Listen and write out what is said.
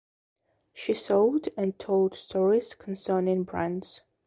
She sold and told stories concerning brands.